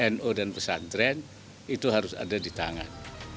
nu dan pesantren itu harus ada di tangan